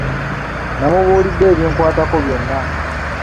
Namubuulidde ebinkwatako byonna.